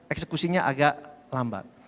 eksekusinya agak lambat